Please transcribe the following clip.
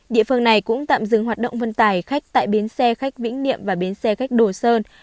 địa phương này cũng tạm dừng hoạt động vận tải khách tại bến xe khách vĩnh niệm và bến xe khách đồ sơn